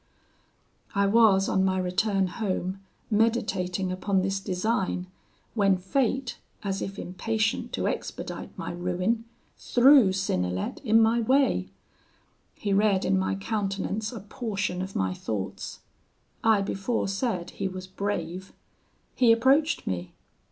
"I was, on my return home, meditating upon this design, when fate, as if impatient to expedite my ruin, threw Synnelet in my way. He read in my countenance a portion of my thoughts. I before said, he was brave. He approached me.